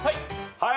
はい。